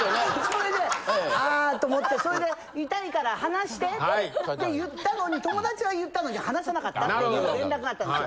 それであっと思ってそれで「痛いから離して」って言ったのに友達は言ったのに離さなかったっていう連絡があったんですよ。